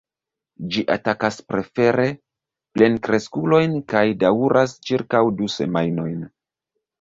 Ĝi atakas prefere plenkreskulojn kaj daŭras ĉirkaŭ du semajnojn.